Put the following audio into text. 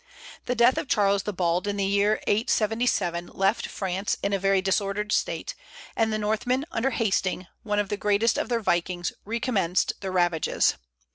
The death of Charles the Bald in the year 877 left France in a very disordered state, and the Northmen under Hasting, one of the greatest of their vikings, recommenced their ravages.